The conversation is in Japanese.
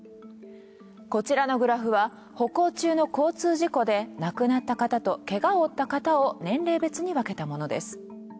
こちらのグラフは歩行中の交通事故で亡くなった方とケガを負った方を年齢別に分けたものです。